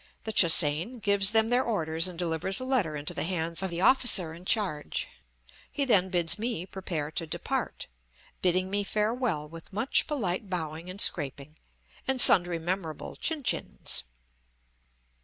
The Che hsein gives them their orders and delivers a letter into the hands of the officer in charge; he then bids me prepare to depart, bidding me farewell with much polite bowing and scraping, and sundry memorable "chin chins."